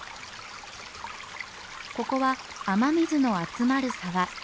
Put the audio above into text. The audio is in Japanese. ここは雨水の集まる沢。